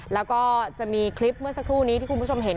แล้วก็จะมีคลิปเมื่อสักครู่นี้ที่คุณผู้ชมเห็น